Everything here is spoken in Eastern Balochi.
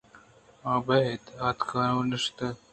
آپاد اتک ءُنشت